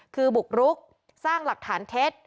คือบุกรุกสร้างหลักฐานเท็จ